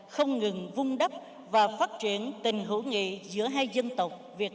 không ngừng vun đắp và phát triển tình hữu nghị giữa hai dân tộc việt nam